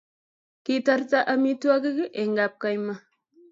kitarta amitwogik eng' kapkaima